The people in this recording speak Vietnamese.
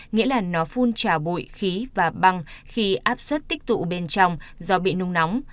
nghĩa là nó phun trào bụi khí và băng khi áp suất tích tụ bên trong do bị nung nóng